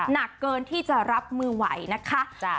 หนักเกินที่จะรับมือไหวนะคะ